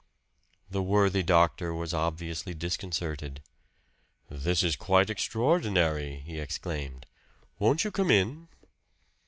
The worthy doctor was obviously disconcerted. "This is quite extraordinary!" he exclaimed. "Won't you come in?"